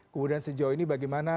kemudian sejauh ini bagaimana